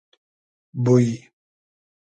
بوی